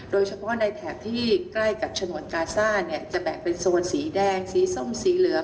โดยเฉพาะในแถบที่ใกล้กับฉนวนกาซ่าเนี่ยจะแบ่งเป็นโซนสีแดงสีส้มสีเหลือง